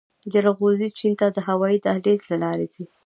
جلغوزي چین ته د هوايي دهلیز له لارې ځي